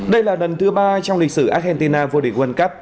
đây là lần thứ ba trong lịch sử argentina vô địch world cup